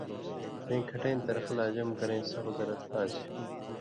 سېں کھٹَیں طریقہ لا جمع کرَیں سخ زَرت آن٘سیۡ۔